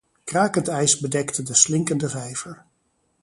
Krakend ijs bedekte de slinkende vijver.